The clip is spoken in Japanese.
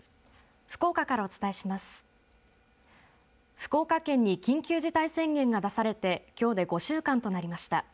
福岡県に緊急事態宣言が出されてきょうで５週間となりました。